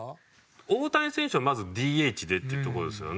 大谷選手はまずＤＨでっていうところですよね。